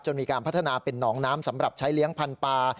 มีการพัฒนาเป็นหนองน้ำสำหรับใช้เลี้ยงพันธุ์ปลา